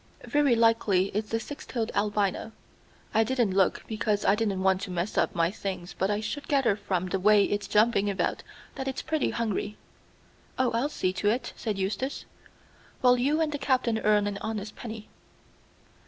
Very likely it's the six toed albino. I didn't look, because I didn't want to mess up my things but I should gather from the way it's jumping about that it's pretty hungry." "Oh, I'll see to it," said Eustace, "while you and the Captain earn an honest penny."